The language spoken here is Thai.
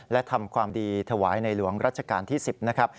และทำความดีถวายในหลวงรัชกาลที่๑๐นะครับ